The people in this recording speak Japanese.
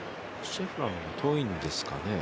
シェフラーも遠いんですかね。